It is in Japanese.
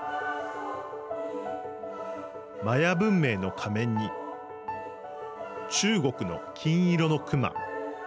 マヤ文明の仮面に中国の金色の熊。